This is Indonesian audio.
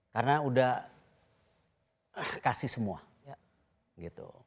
karena udah kasih semua gitu